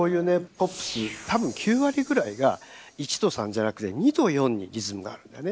ポップス多分９割ぐらいが１と３じゃなくて２と４にリズムがあるんだよね。